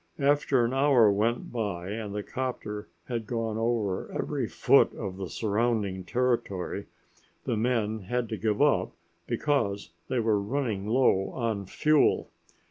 After an hour went by and the 'copter had gone over every foot of the surrounding territory, the men had to give up because they were running low on fuel.